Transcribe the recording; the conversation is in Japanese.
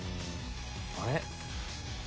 あれ？